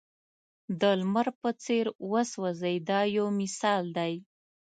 د لمر په څېر وسوځئ دا یو مثال دی.